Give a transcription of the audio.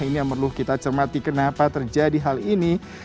ini yang perlu kita cermati kenapa terjadi hal ini